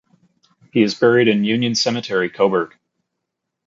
He is buried in Union Cemetery, Cobourg.